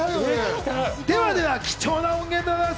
ではでは貴重な音源です。